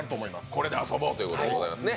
これで遊ぼうということでございますね。